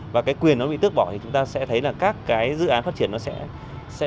và cái quyền nó bị tước bỏ thì chúng ta sẽ thấy là các cái dự án phát triển nó sẽ